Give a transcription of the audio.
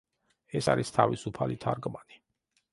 ეს არის თავისუფალი თარგმანი.